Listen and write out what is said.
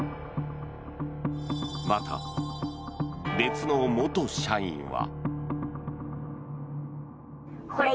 また、別の元社員は。